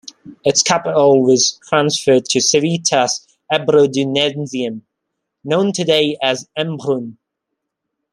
Its capital was transferred to "Civitas Ebrodunensium", known today as Embrun.